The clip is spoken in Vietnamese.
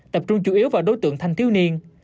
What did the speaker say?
tập trung chủ yếu vào đối tượng thanh thiếu niên